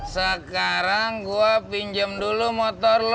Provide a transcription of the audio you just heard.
sekarang gua pinjam dulu motor lu